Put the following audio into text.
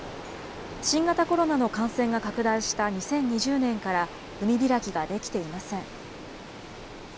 新型コロナの感染が拡大した２０２０から海開きができていません。